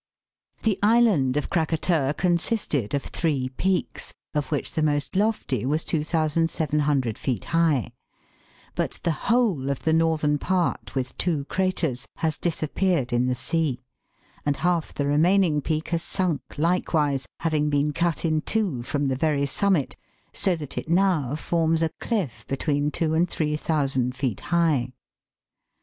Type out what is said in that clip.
The island of Krakatoa consisted of three peaks, of which the most lofty was 2,700 feet high ; but the whole of the northern part with two craters has disappeared in the sea, and half the remaining peak has sunk likewise, having been cut in two from the very summit, so that it now forms a cliff between two and three thousand feet high.